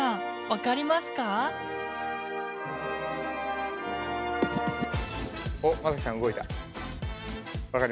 分かりますか？